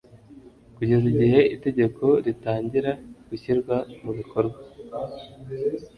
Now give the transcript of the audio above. kugeza igihe itegeko ritangira gushyirirwa mubikorwa